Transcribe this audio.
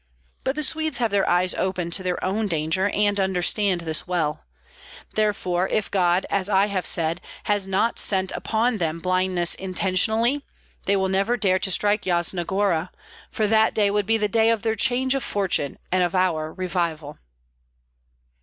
But the Swedes have their eyes open to their own danger, and understand this well. Therefore, if God, as I have said, has not sent upon them blindness intentionally, they will never dare to strike Yasna Gora; for that day would be the day of their change of fortune and of our revival."